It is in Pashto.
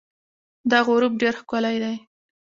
دا غروب ډېر ښکلی دی.